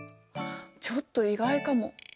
ちょっと意外かも。